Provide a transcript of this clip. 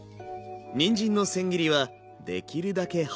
にんじんのせん切りはできるだけ細く。